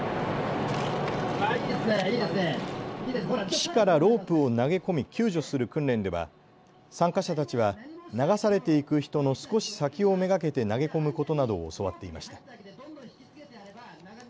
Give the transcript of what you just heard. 岸からロープを投げ込み救助する訓練では参加者たちは流されていく人の少し先を目がけて投げ込むことなどを教わっていました。